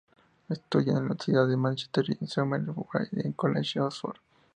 Estudió en la Universidad de Mánchester y en Somerville College, Oxford.